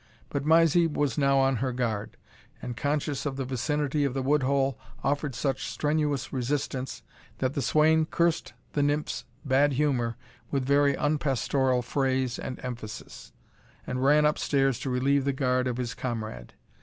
But Mysie was now on her guard, and, conscious of the vicinity of the wood hole, offered such strenuous resistance, that the swain cursed the nymph's bad humour with very unpastoral phrase and emphasis, and ran up stairs to relieve the guard of his comrade.